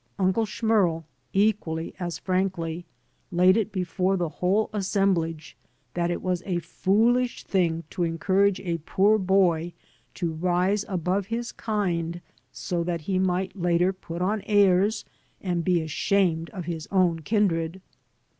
Unde Schmerl equally as frankly laid it before the whole assemblage that it was a foolish thing to encourage a poor boy to rise above his kind so that he might later put on airs and be ashamed of his own kindred.